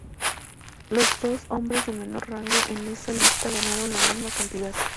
Los dos hombres de menor rango en esa lista ganaron la misma cantidad.